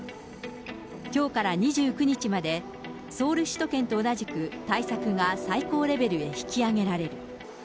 きょうから２９日まで、ソウル首都圏と同じく対策が最高レベルへ引き上げられる。